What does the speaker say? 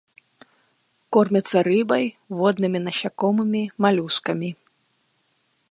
Кормяцца рыбай, воднымі насякомымі, малюскамі.